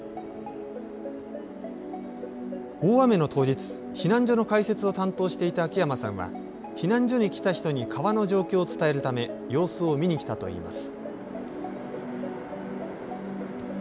大雨の当日、避難所の開設を担当していた秋山さんは避難所に来た人に川の状況を伝えるため様子を見に来たといいます。